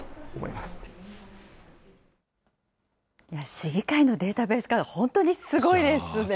市議会のデータベース化、本当にすごいですね。